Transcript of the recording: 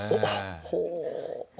ほう。